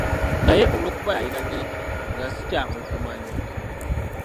Naye olwokuba yalina nnyingi nga si kyangu kumanya.